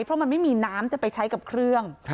เพราะมันไม่มีน้ำจะไปใช้กับเครื่อง